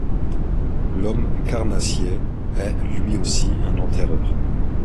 L’homme, carnassier, est, lui aussi, un enterreur.